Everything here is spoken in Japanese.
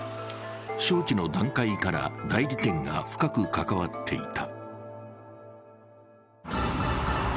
招致の段階から代理店が深く関わっていた。